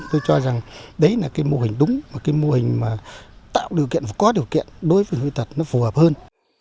tôi cho rằng đấy là mô hình đúng mô hình tạo điều kiện và có điều kiện đối với người khuyết tật phù hợp hơn